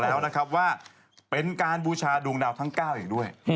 แล้วนะครับว่าเป็นการบูชาดวงดาวทั้ง๙อีกด้วย